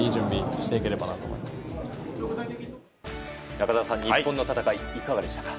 中澤さん、日本の戦いいかがでしたか？